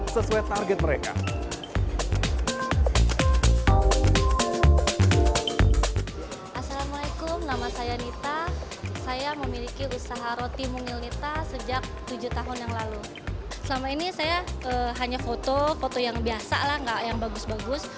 selama ini saya hanya foto foto yang biasa lah yang bagus bagus